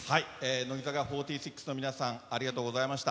乃木坂４６の皆さんありがとうございました。